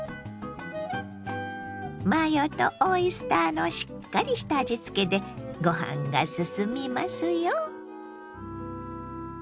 マヨとオイスターのしっかりした味付けでご飯がすすみますよ。